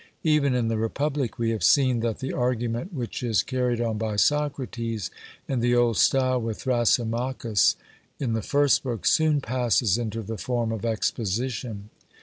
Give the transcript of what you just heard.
Even in the Republic we have seen that the argument which is carried on by Socrates in the old style with Thrasymachus in the first book, soon passes into the form of exposition.